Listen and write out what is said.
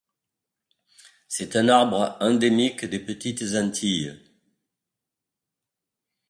C'est un arbre endémique des Petites Antilles.